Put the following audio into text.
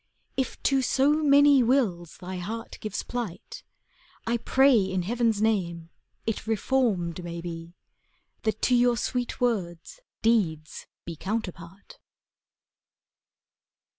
If to so many wills thy heart gives plight, I pray in Heaven's name, it reformed may be. That to your sweet words deeds be counterpart.